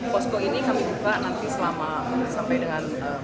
posko ini kami buka nanti selama sampai dengan